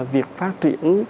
việc phát triển